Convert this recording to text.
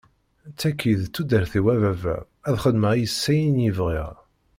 Taki d tudert-iw a baba ad xedmeɣ yis-s ayen i bɣiɣ.